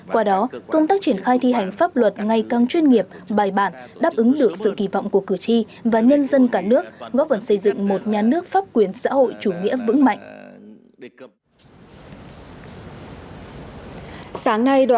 qua đó công tác triển khai thi hành pháp luật ngày càng chuyên nghiệp bài bản đáp ứng được sự kỳ vọng của cử tri và nhân dân cả nước góp phần xây dựng một nhà nước pháp quyền xã hội chủ nghĩa vững mạnh